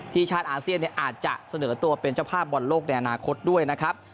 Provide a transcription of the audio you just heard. ชาติอาเซียนอาจจะเสนอตัวเป็นเจ้าภาพบอลโลกในอนาคตด้วยนะครับ